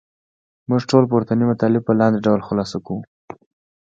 موږ ټول پورتني مطالب په لاندې ډول خلاصه کوو.